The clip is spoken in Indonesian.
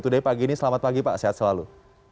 today pagi ini selamat pagi pak sehat selalu